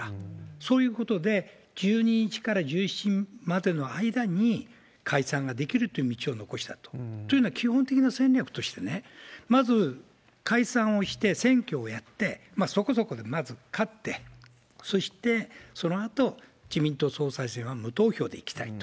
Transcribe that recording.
そういうことで、１２日から１７日までの間に解散ができるという道を残したというのは、基本的な戦略としてね、まず、解散をして、選挙をやって、そこそこまず勝って、そしてそのあと、自民党総裁選は無投票でいきたいと。